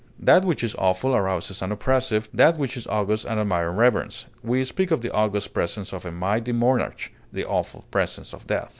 That which is awful arouses an oppressive, that which is august an admiring reverence; we speak of the august presence of a mighty monarch, the awful presence of death.